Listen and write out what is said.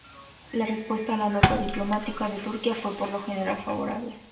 La respuesta a la nota diplomática de Turquía fue por lo general favorable.